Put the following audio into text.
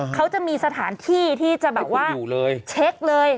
เขาจะมีสถานที่ที่จะแบบว่าเช็คเลย